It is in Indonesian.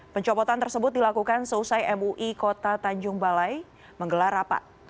pencopotan tersebut dilakukan seusai mui kota tanjung balai menggelar rapat